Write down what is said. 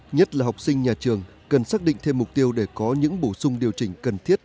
nhất là học sinh nhà trường cần xác định thêm mục tiêu để có những bổ sung điều chỉnh cần thiết